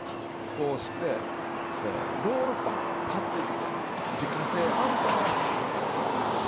こうしてロールパンを買ってきて自家製あんぱんを作るということですよ。